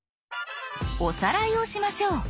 おさらいをしましょう。